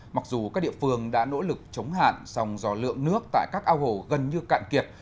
mặc dù các địa phương đã nỗ lực chống hạn song do lượng nước tại các ao hồ gần như cạn kiệt